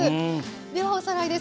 ではおさらいです。